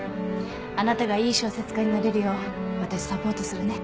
あなたがいい小説家になれるよう私サポートするね。